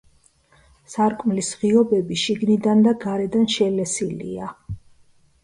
სარკმლის ღიობები შიგნიდან და გარედან შელესილია.